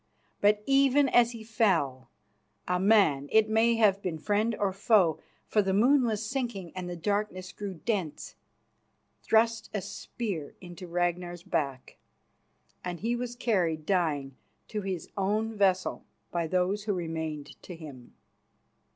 But even as he fell, a man, it may have been friend or foe, for the moon was sinking and the darkness grew dense, thrust a spear into Ragnar's back, and he was carried, dying, to his own vessel by those who remained to him.